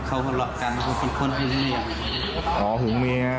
เขาหลอกกันเขาฝีดคนให้หุงเมีย